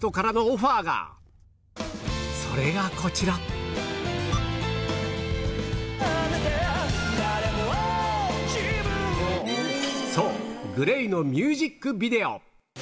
誰も自分そうＧＬＡＹのミュージックビデオ